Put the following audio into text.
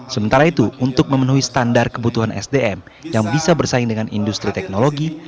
sementara itu untuk memenuhi standar kebutuhan sdm yang bisa bersaing dengan industri teknologi